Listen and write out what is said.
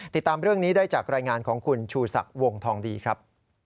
ติดตามเรื่องนี้ได้จากรายงานของคุณชูศักดิ์วงทองดีครับ